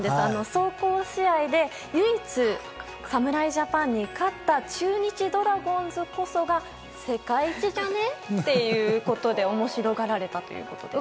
壮行試合で唯一、侍ジャパンに勝った中日ドラゴンズこそが世界一じゃね？ということで面白がられたということです。